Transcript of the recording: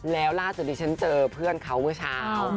แล้วล่าสุดที่ฉันเจอเพื่อนเขาเมื่อเช้า